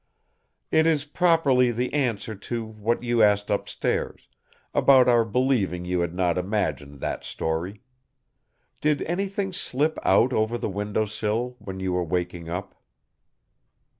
"It is properly the answer to what you asked upstairs, about our believing you had not imagined that story. Did anything slip out over the window sill when you were waking up?"